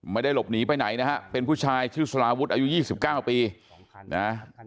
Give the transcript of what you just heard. ไม่ได้หลบหนีไปไหนนะฮะเป็นผู้ชายชื่อสลาวุฒิอายุ๒๙ปีนะ